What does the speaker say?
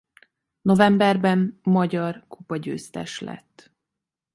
Novemberben magyar kupa-győztes lett.